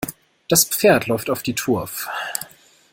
Das Pferd läuft auf die Turf.